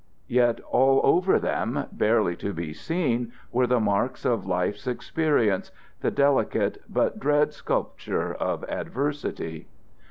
Yet all over them, barely to be seen, were the marks of life's experience, the delicate but dread sculpture of adversity.